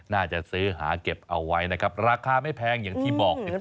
น่าจะซื้อหาเก็บเอาไว้นะครับราคาไม่แพงอย่างที่บอกติดต่อ